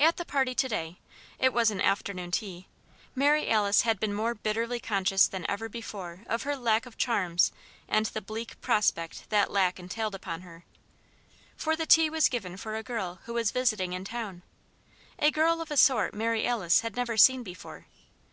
At the party to day it was an afternoon tea Mary Alice had been more bitterly conscious than ever before of her lack of charms and the bleak prospect that lack entailed upon her. For the tea was given for a girl who was visiting in town, a girl of a sort Mary Alice had never seen before.